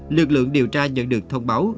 lực lượng điều tra nhận được thông báo